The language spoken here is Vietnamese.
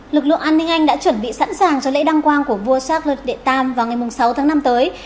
lực lượng an ninh anh đã chuẩn bị sẵn sàng cho lễ đăng quang của vua charles iii vào ngày sáu tháng năm tới